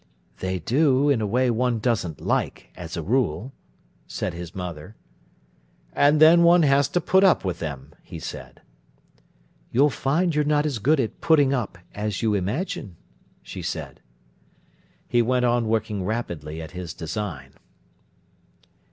"They do, in a way one doesn't like, as a rule," said his mother. "And then one has to put up with them," he said. "You'll find you're not as good at 'putting up' as you imagine," she said. He went on working rapidly at his design.